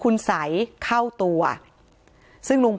การแก้เคล็ดบางอย่างแค่นั้นเอง